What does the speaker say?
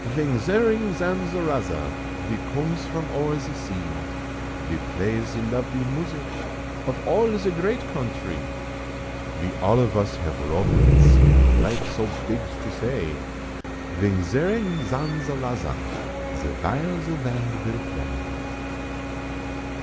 Vings zerring zanzaraza, ve cooms from o'er ze sea, Ve plays ze lovely music, of all ze great countree. Ve all of us have romance of life so bigs to say, Vings zerring zanzaraza, ze vile ze band vill play.